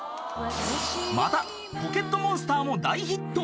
［また『ポケットモンスター』も大ヒット］